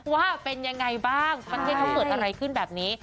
ว่าเป็นยังไงบ้างประเทศเขาเกิดอะไรขึ้นแบบนี้